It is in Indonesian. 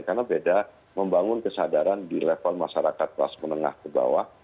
karena beda membangun kesadaran di level masyarakat kelas menengah ke bawah